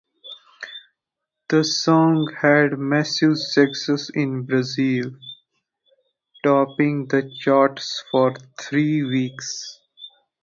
The song had massive success in Brazil, topping the charts for three weeks.